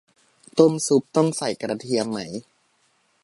ต้มซุปต้องใส่กระเทียมไหม